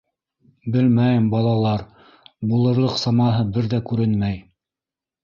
— Белмәйем, балалар, булырлыҡ самаһы бер ҙә күренмәй.